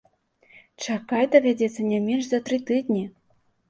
Чакаць давядзецца не менш за тры тыдні!